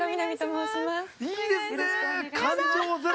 いいですね！